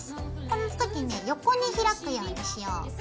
このときね横に開くようにしよう。